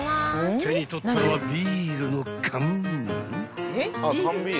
［手に取ったのはビールの缶？］